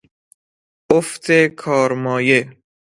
افت کارمایه